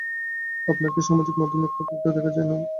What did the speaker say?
আপনাকে সামাজিক মাধ্যমে খুব একটা দেখা যায় না।